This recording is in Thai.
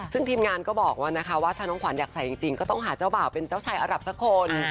ซึ่งทีมงานก็บอกว่านะคะว่าถ้าน้องขวัญอยากใส่จริงก็ต้องหาเจ้าบ่าวเป็นเจ้าชายอรับสักคน